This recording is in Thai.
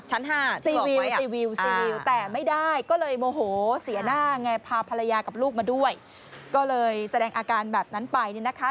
ชั้น๕สีวิวแต่ไม่ได้ก็เลยโมโหเสียหน้าไงพาภรรยากับลูกมาด้วยก็เลยแสดงอาการแบบนั้นไปนะคะ